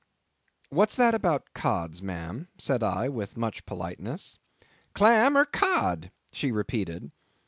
"What's that about Cods, ma'am?" said I, with much politeness. "Clam or Cod?" she repeated.